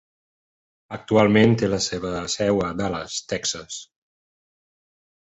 Actualment té la seva seu a Dallas, Texas.